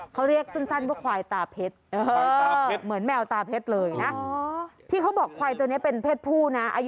เขาเรียกสั้นว่าควายตาเพชย์